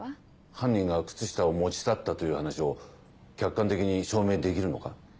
犯人が靴下を持ち去ったという話を客観的に証明できるのか？